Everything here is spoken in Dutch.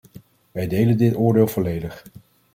Wij delen dit oordeel volledig.